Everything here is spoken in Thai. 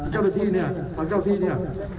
เจ้าที่เนี่ยพระเจ้าที่เนี่ย